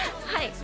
はい。